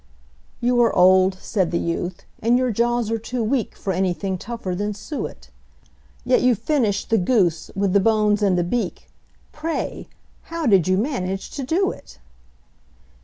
"You are old," said the youth, "and your jaws are too weak For anything tougher than suet; Yet you finished the goose, with the bones and the beak Pray, how did you manage to do it?"